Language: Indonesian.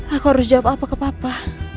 aku harus jawab apa ke papa